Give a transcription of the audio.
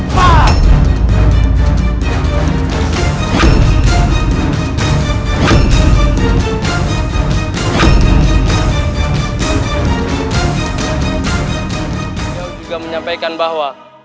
beliau juga menyampaikan bahwa